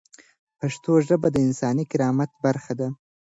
پښتو ژبه د انساني کرامت برخه ده.